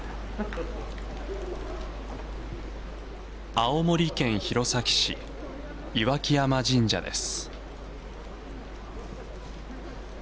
青森県弘前市、岩木山神社です。